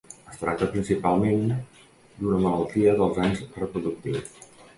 Es tracta principalment d'una malaltia dels anys reproductius.